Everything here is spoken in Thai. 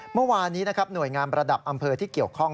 เมื่อวานนี้นะครับหน่วยงานระดับอำเภอที่เกี่ยวข้อง